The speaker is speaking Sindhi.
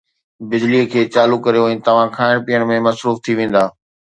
بجليءَ کي چالو ڪريو ۽ توهان کائڻ پيئڻ ۾ مصروف ٿي ويندا